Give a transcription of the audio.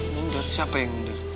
minder siapa yang minder